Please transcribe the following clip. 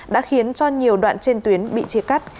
đã khiến cho nhiều đoạn trên tuyến bị chia cắt